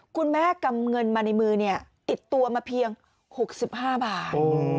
คุณแม่กำเงินมาในมือเนี่ยติดตัวมาเพียง๖๕บาท